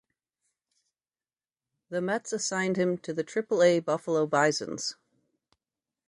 The Mets assigned him to the Triple-A Buffalo Bisons.